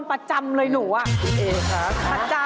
เอ๊ครับโดนบ้างไหมล่ะประจำ